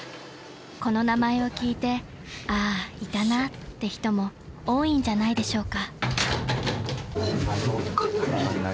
［この名前を聞いて「ああいたな」って人も多いんじゃないでしょうか］